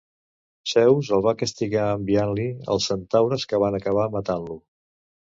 Zeus el va castigar enviant-li els centaures que van acabar matant-lo.